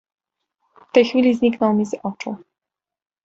"W tej chwili zniknął mi z oczu."